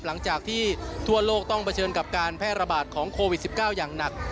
หลังจากที่ทั่วโลกต้องเผชิญกับการแพร่ระบาดของโควิด๑๙อย่างหนัก